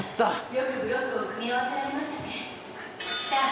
よくブロックを組み合わせられましたねさあ